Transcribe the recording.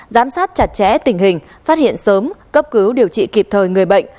giám sát chặt chẽ tình hình phát hiện sớm cấp cứu điều trị kịp thời người bệnh